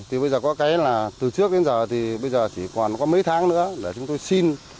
thì bây giờ có cái là từ trước đến giờ thì bây giờ chỉ còn có mấy tháng nữa là chúng tôi xin